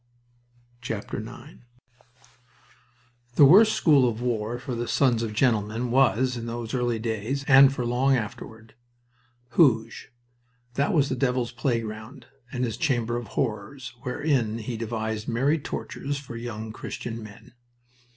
IX The worst school of war for the sons of gentlemen was, in those early days, and for long afterward, Hooge. That was the devil's playground and his chamber of horrors, wherein he devised merry tortures for young Christian men.